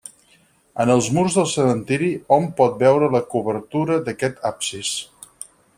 En els murs del cementiri hom pot veure la cobertura d'aquest absis.